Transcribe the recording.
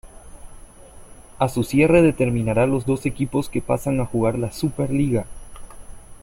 A su cierre determinará los dos equipos que pasan a jugar la Súper Liga.